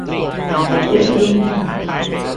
兩個規律密碼